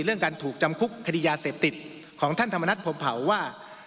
เรื่องการถูกจำคุกคดียาเสพติดของท่านธรรมนัฐพรมเผาว่า